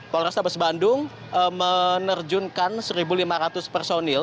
polres tabas bandung menerjunkan satu lima ratus personil